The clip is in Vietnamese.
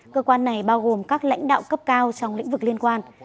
cơ quan này bao gồm các lãnh đạo cấp cao trong lĩnh vực liên quan